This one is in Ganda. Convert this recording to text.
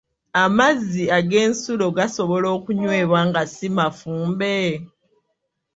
Amazzi ag'ensulo gasobola okunywebwa nga si mafumbe?